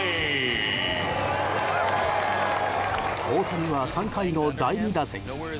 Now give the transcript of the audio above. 大谷は３回の第２打席。